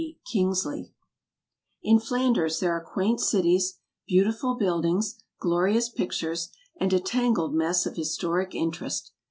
KINGSLEY IN Flanders there are quaint cities, beautiful buildings, glorious pictures, and a tangled mass of historic interest.